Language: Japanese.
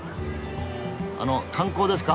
あの観光ですか？